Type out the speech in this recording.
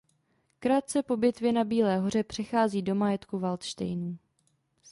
Krátce po bitvě na Bílé hoře přechází do majetku Valdštejnů.